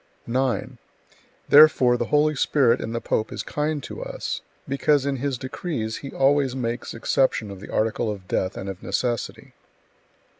9. Therefore the Holy Spirit in the pope is kind to us, because in his decrees he always makes exception of the article of death and of necessity.